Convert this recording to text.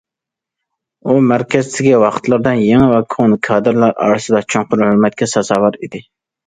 ئۇ مەركەزدىكى ۋاقىتلىرىدا، يېڭى ۋە كونا كادىرلار ئارىسىدا چوڭقۇر ھۆرمەتكە سازاۋەر ئىدى.